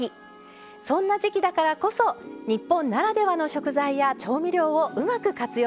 そんな時季だからこそ日本ならではの食材や調味料をうまく活用したいもの。